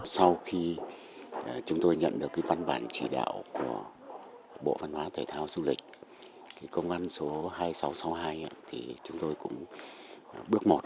sau khi chúng tôi nhận được văn bản chỉ đạo của bộ văn hóa thể thao du lịch công văn số hai nghìn sáu trăm sáu mươi hai